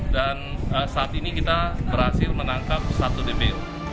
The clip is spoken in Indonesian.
dan saat ini kita berhasil menangkap satu dpo